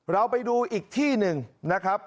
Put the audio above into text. เราไปดูอีกที่หนึ่งนะครับ